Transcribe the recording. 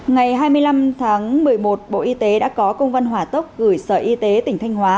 ngày hai mươi năm tháng một mươi một bộ y tế đã có công văn hỏa tốc gửi sở y tế tỉnh thanh hóa